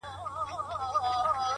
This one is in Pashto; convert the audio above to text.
دغه خبرې کړه; نور بس راپسې وبه ژاړې;